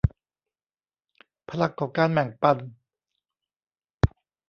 พลังของการแบ่งปัน